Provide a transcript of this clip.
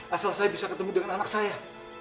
asal saya bisa ketemu dengan anak saya